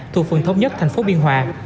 thuộc phường thống nhất tp biên hòa